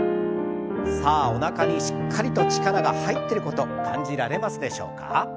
さあおなかにしっかりと力が入ってること感じられますでしょうか。